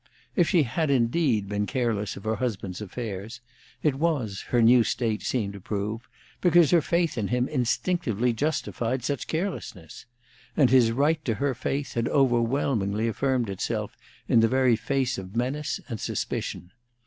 If she had indeed been careless of her husband's affairs, it was, her new state seemed to prove, because her faith in him instinctively justified such carelessness; and his right to her faith had overwhelmingly affirmed itself in the very face of menace and suspicion.